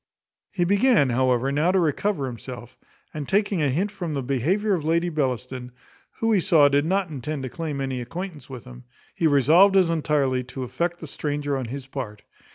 He began, however, now to recover himself; and taking a hint from the behaviour of Lady Bellaston, who he saw did not intend to claim any acquaintance with him, he resolved as entirely to affect the stranger on his part.